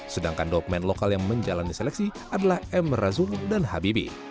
sedangkan dua pemain lokal yang menjalani seleksi adalah emra zul dan habibi